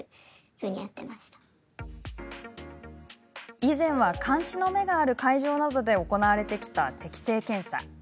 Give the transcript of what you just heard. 以前は監視の目がある会場などで行われてきた適性検査。